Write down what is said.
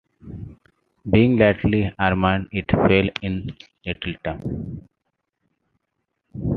Being lightly armed it fell in little time.